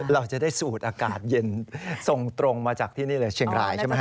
เราจะได้สูดอากาศเย็นส่งตรงมาจากที่นี่เลยเชียงรายใช่ไหมฮ